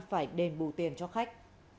phải đền bù tiền cho khách